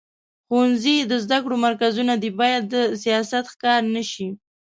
ښوونځي د زده کړو مرکزونه دي، باید د سیاست ښکار نه شي.